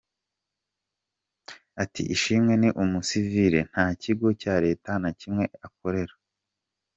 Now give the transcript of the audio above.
Ati “Ishimwe ni umusivili, nta kigo cya leta na kimwe akorera.